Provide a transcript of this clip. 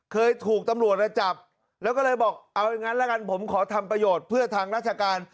เคยถูกตำรวจจับแล้วก็เลยบอกเอาอย่างงั้นละกันผมขอทำประโยชน์เพื่อทางราชการ